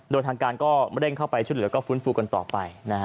โดยทางการก็เร่งเข้าไปช่วยเหลือก็ฟื้นฟูกันต่อไป